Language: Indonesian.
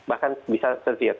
bahkan bisa severe